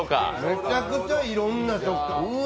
めちゃくちゃいろんな食感。